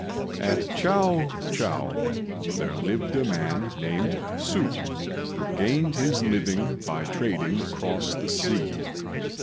At Chiao chou there lived a man named Hsü, who gained his living by trading across the sea.